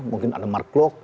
mungkin ada mark lok